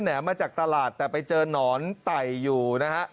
แม้มาจากตลาดแต่ไปเจอหนอนไต่อยู่นะฮะ